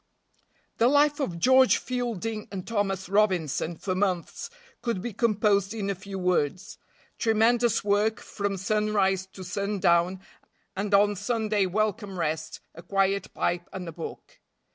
THE life of George Fielding and Thomas Robinson for months could be composed in a few words: tremendous work from sunrise to sundown, and on Sunday welcome rest, a quiet pipe, and a book.